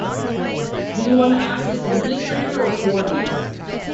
Do you want to act as administrator or coordinator?